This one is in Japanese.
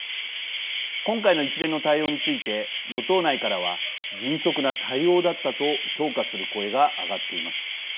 今回の一連の対応について与党内からは迅速な対応だったと評価する声が上がっています。